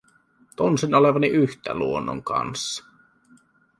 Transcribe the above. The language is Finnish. Tunsin olevani yhtä luonnon kanssa.